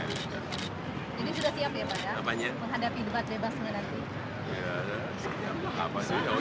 ini sudah siap ya pak ya